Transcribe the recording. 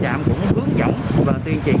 để đảm cũng hướng dẫn và tuyên truyền